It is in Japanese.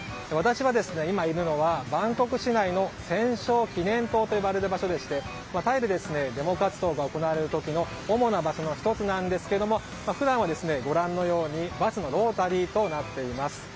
私が今いるのはバンコク市内の戦勝記念塔と呼ばれる場所でしてタイでデモ活動が行われる時の主な場所の１つなんですけども普段はご覧のようにバスのロータリーとなっています。